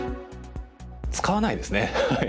使わないですね。